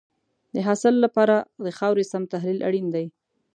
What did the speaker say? د حاصل لپاره د خاورې سم تحلیل اړین دی.